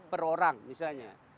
per orang misalnya